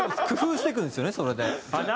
工夫していくんですよねそれで。